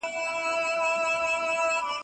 څه شی سوله له لوی ګواښ سره مخ کوي؟